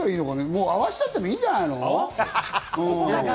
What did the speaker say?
もう合わしちゃったらいいんじゃないの？